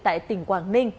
tại tỉnh quảng ninh